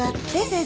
先生。